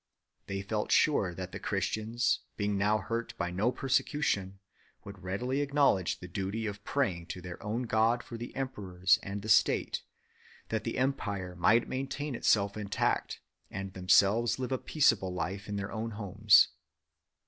They felt sure that the Christians, being now hurt by no persecution, would readily acknowledge the duty of pray ing to their own God for the emperors and the state, that the Empire might maintain itself intact, and themselves live a peaceable life in their own homes.